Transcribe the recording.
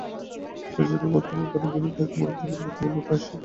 সে যেন বর্তমান কালের বিরুদ্ধে এক মূর্তিমান বিদ্রোহের মতো আসিয়া উপস্থিত হইল।